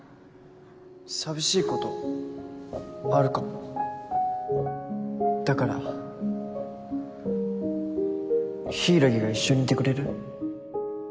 寂しいことあるかもだから柊が一緒にいてくれる？